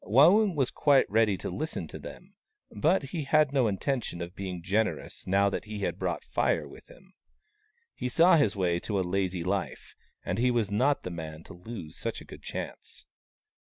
Waung was quite ready to listen to them ; but he had no intention of being generous now that he had brought Fire with him. He saw his way to a lazy life, and he was not the man to lose such a good chance.